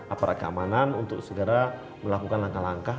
aparat keamanan untuk segera melakukan langkah langkah